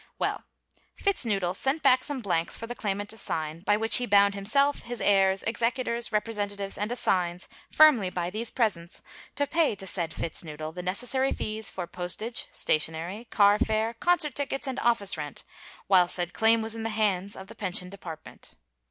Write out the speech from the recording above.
Well, Fitznoodle sent back some blanks for the claimant to sign, by which he bound himself, his heirs, executors, representatives and assigns, firmly by these presents to pay to said Fitznoodle, the necessary fees for postage, stationery, car fare, concert tickets, and office rent, while said claim was in the hands of the pension department.